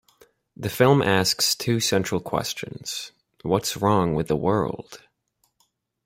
The film asks two central questions: What's Wrong With the World?